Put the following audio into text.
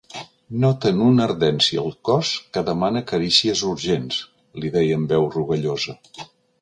Noten una ardència al cos que demana carícies urgents —li deia amb veu rogallosa—.